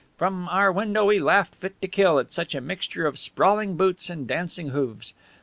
From our window we laughed fit to kill at such a mixture of sprawling boots and dancing hoofs.